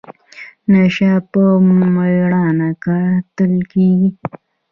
نشان په میړانه ګټل کیږي